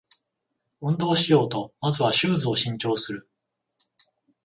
運動しようとまずはシューズを新調する